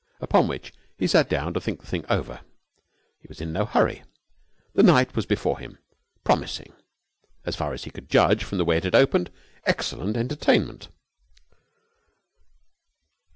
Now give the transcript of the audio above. Upon which he sat down to think the thing over. He was in no hurry. The night was before him, promising, as far as he could judge from the way it had opened, excellent entertainment.